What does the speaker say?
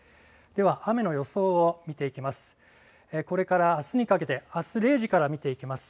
では雨の予想を見ていきます。